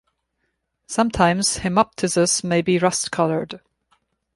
Sometimes hemoptysis may be rust-colored.